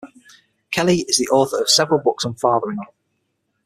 Kelly is the author of several books on fathering.